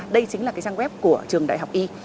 đây chính là cái trang web của trường đại học y